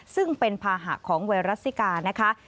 ซึ่งเป็นภาหะของไวรัสซิกานะคะ